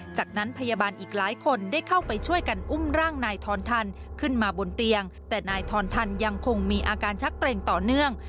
จากนั้นพยาบาลอีกหลายคนได้เข้าไปช่วยกันอุ้มร่างนายทอนทันขึ้นมาบนเตียงแต่นายทอนทันยังคงมีอาการชักเกร็งต่อเนื่อง